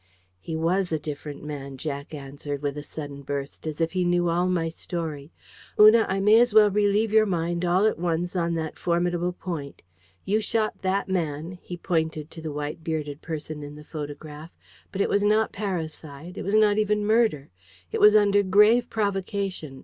"He WAS a different man," Jack answered, with a sudden burst, as if he knew all my story. "Una, I may as well relieve your mind all at once on that formidable point. You shot that man" he pointed to the white bearded person in the photograph, "but it was not parricide: it was not even murder. It was under grave provocation...